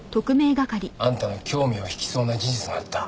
あんたの興味を引きそうな事実があった。